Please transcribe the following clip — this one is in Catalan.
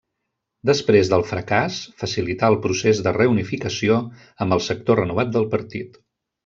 Després del fracàs, facilità el procés de reunificació amb el sector renovat del partit.